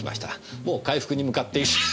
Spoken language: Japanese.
もう回復に向かって。